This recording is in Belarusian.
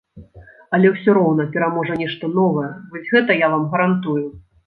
Але ўсё роўна пераможа нешта новае, вось гэта я вам гарантую.